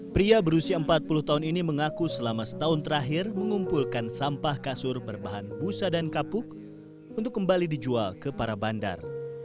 pria berusia empat puluh tahun ini mengaku selama setahun terakhir mengumpulkan sampah kasur berbahan busa dan kapuk untuk kembali dijual ke para bandar